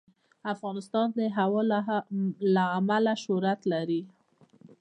افغانستان د هوا له امله شهرت لري.